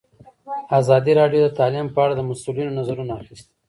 ازادي راډیو د تعلیم په اړه د مسؤلینو نظرونه اخیستي.